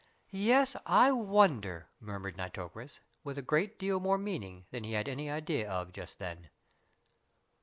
"Yes, I wonder?" murmured Nitocris, with a great deal more meaning than he had any idea of just then.